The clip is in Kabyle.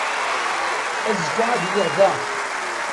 Azekka ad iliɣ da.